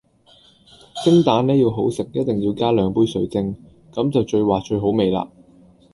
蒸蛋呢要好食一定要加兩杯水蒸，咁就最滑最好味喇